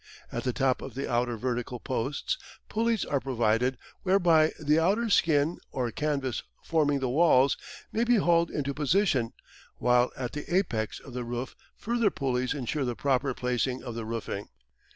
At the top of the outer vertical posts pulleys are provided whereby the outer skin or canvas forming the walls may be hauled into position, while at the apex of the roof further pulleys ensure the proper placing of the roofing.